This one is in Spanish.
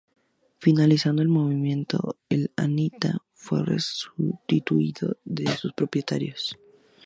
Finalizado el movimiento, el "Anita" fue restituido a sus propietarios.